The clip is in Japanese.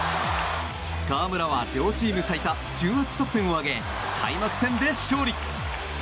河村は両チーム最多１８得点を挙げ開幕戦で勝利。